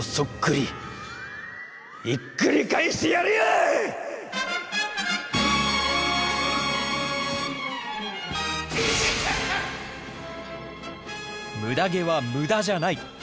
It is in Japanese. ムダ毛はムダじゃない！